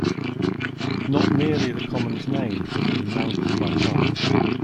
Not merely the common's name has been mangled by time.